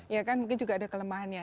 ya kan mungkin juga ada kelemahannya